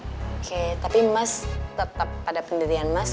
oke tapi mas tetap pada pendidikan mas